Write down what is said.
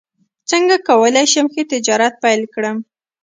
څنګه کولی شم ښه تجارت پیل کړم